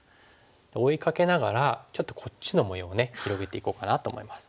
追いかけながらちょっとこっちの模様をね広げていこうかなと思います。